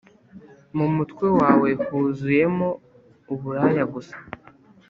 Mu mutwe wawe huzuyemo uburaya gusa